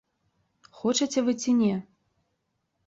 Хочаце вы ці не?